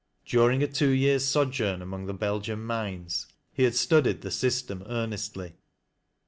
During a two years' sojourn among the Belgian mines, he had studied the system earnestly.